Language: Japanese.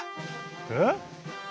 えっ？